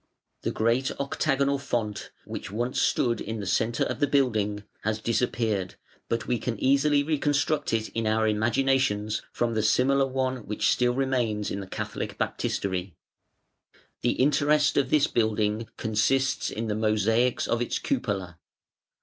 The great octagonal font, which once stood in the centre of the building, has disappeared, but we can easily reconstruct it in our imaginations from the similar one which still remains in the Catholic Baptistery. The interest of this building consists in the mosaics of its cupola.